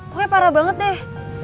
pokoknya parah banget deh